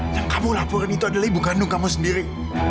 yang kamu laporin itu adalah ibu kandung kamu sendiri